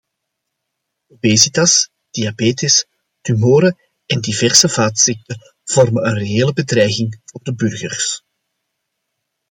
Obesitas, diabetes, tumoren en diverse vaatziekten vormen een reële bedreiging voor de burgers.